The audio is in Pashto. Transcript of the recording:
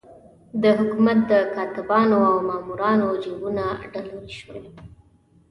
د حکومت د کاتبانو او مامورانو جېبونه ډالري شول.